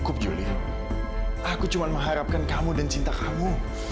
cukup juli aku cuma mengharapkan kamu dan cinta kamu